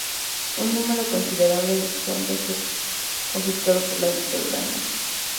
Un número considerable de sus obras fue confiscado por la dictadura nazi.